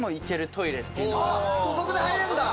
土足で入れんだ！